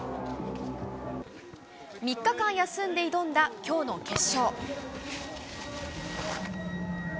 ３日間休んで挑んだ今日の決勝。